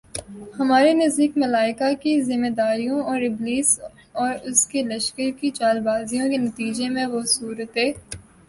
ہمارے نزدیک، ملائکہ کی ذمہ داریوں اور ابلیس اور اس کے لشکر کی چالبازیوں کے نتیجے میں وہ صورتِ